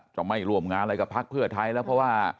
จะไม่ร่วมงานอะไรกับภักดิ์เพื่อไทยแล้ว